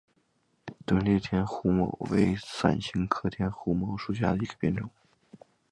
钝裂天胡荽为伞形科天胡荽属下的一个变种。